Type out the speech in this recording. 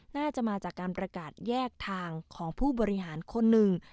น่าจะมาจากการประกาศแยกทางของผู้บริหารคนหนึ่ง